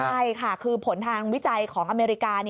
ใช่ค่ะคือผลทางวิจัยของอเมริกา